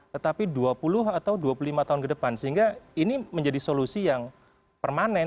tetapi dua puluh atau dua puluh lima tahun ke depan sehingga ini menjadi solusi yang permanen